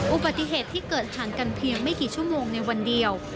อุบัติเหตุที่เกิดห่างกันเพียงไม่กี่ชั่วโมงในวันเดียว